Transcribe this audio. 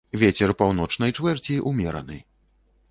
Вецер паўночнай чвэрці ўмераны.